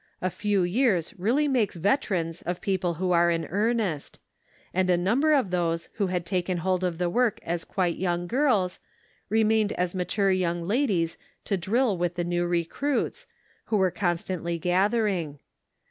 A few years really makes veterans of people who are in earnest ; and a number of those who had. taken hold of the work as quite young girls, remained as mature young ladies to drill with the new recruits, who were constantly gather ing.